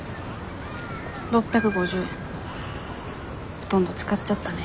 ほとんど使っちゃったね。